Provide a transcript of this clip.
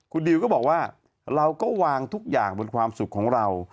คุณดิวก็บอกว่าเราก็วางทุกอย่างบนความสุขของเรา